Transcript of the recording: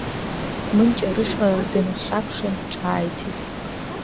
Мынҷа рышҟа дынхьаԥшын ҿааиҭит…